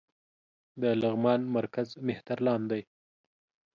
د لغمان مرکز مهترلام دى